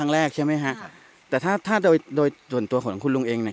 แรกใช่ไหมฮะครับแต่ถ้าถ้าโดยโดยส่วนตัวของคุณลุงเองเนี่ย